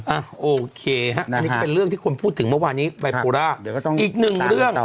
อ่ะโอเคฮะนะฮะนี่ก็เป็นเรื่องที่คนพูดถึงเมื่อวานนี้อีกหนึ่งเรื่อง